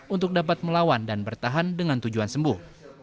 untuk dapat melawan dan bertahan dengan tujuan sembuh